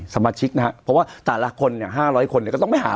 สมาชิกนะฮะ